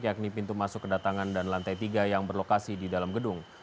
yakni pintu masuk kedatangan dan lantai tiga yang berlokasi di dalam gedung